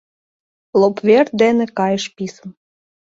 Лоп вер дене кайыш писын.